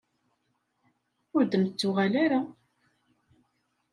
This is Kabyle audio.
Ur d-nettuɣal ara.